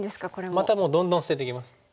またもうどんどん捨てていきます。